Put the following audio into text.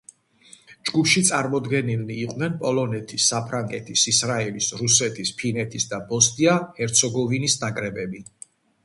ჯგუფში წარმოდგენილნი იყვნენ პოლონეთის, საფრანგეთის, ისრაელის, რუსეთის, ფინეთის და ბოსნია და ჰერცეგოვინის ნაკრებები.